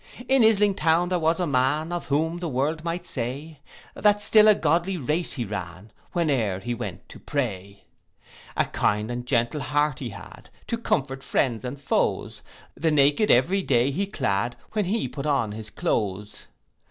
In Isling town there was a man, Of whom the world might say, That still a godly race he ran, Whene'er he went to pray. A kind and gentle heart he had, To comfort friends and foes; The naked every day he clad, When he put on his cloaths.